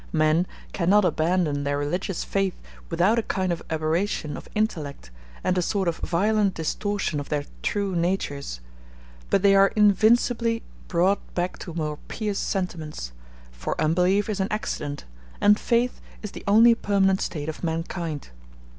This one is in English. Men cannot abandon their religious faith without a kind of aberration of intellect, and a sort of violent distortion of their true natures; but they are invincibly brought back to more pious sentiments; for unbelief is an accident, and faith is the only permanent state of mankind.